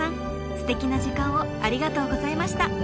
ステキな時間をありがとうございました。